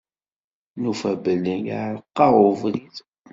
Nufa belli iɛreq-aɣ ubrid.